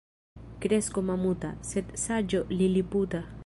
Kresko mamuta, sed saĝo liliputa.